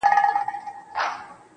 هسي بیا نه راځو، اوس لا خُمار باسه.